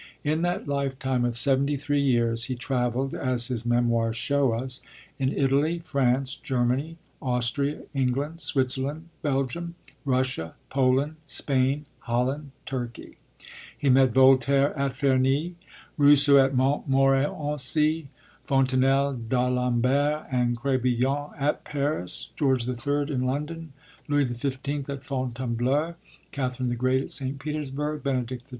In that lifetime of seventy three years he travelled, as his Memoirs show us, in Italy, France, Germany, Austria, England, Switzerland, Belgium, Russia, Poland, Spain, Holland, Turkey; he met Voltaire at Ferney, Rousseau at Montmorency, Fontenelle, d'Alembert and Crébillon at Paris, George III. in London, Louis XV. at Fontainebleau, Catherine the Great at St. Petersburg, Benedict XII.